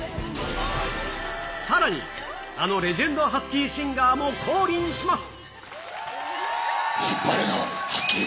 さらに、あのレジェンドハスキーシンガーも降臨します。